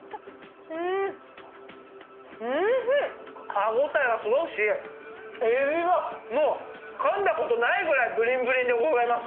歯応えがすごいし、えびがかんだことがないぐらいブリンブリンでございます。